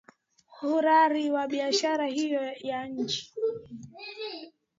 urari wa biashara hiyo ya nje